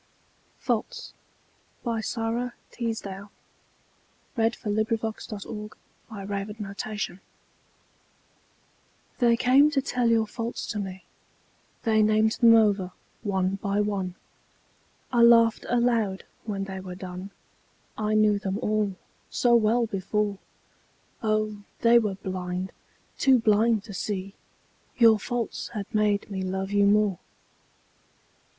d me not at all, I owe the open gate That led through heaven's wall. Faults They came to tell your faults to me, They named them over one by one; I laughed aloud when they were done, I knew them all so well before, Oh, they were blind, too blind to see Your faults had made me love you more.